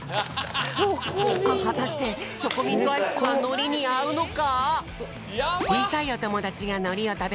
はたしてチョコミントアイスはのりにあうのか！？